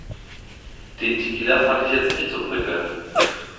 Den Tequila fand ich jetzt nicht so prickelnd.